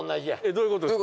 どういうことですか？